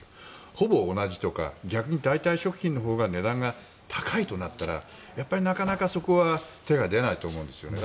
ほぼ同じとか逆に代替食品のほうが値段が高いとなったらなかなかそこは手が出ないと思うんです。